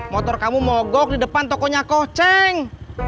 motor kamu mogok di depan tokonya koceng